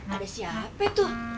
ada siapa tuh